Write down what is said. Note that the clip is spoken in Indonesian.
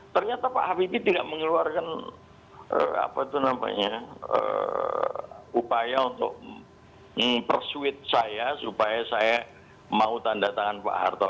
ternyata pak habibie tidak mengeluarkan upaya untuk mempersuit saya supaya saya mau tanda tangan pak harto